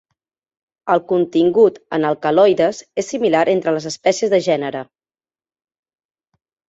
El contingut en alcaloides és similar entre les espècies del gènere.